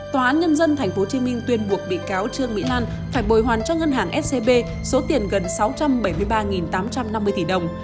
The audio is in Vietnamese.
tòa án nhân dân tp hcm tuyên buộc bị cáo trương mỹ lan phải bồi hoàn cho ngân hàng scb số tiền gần sáu trăm bảy mươi ba tám trăm năm mươi tỷ đồng